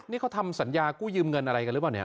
นี่เขาทำสัญญากู้ยืมเงินอะไรกันหรือเปล่าเนี่ย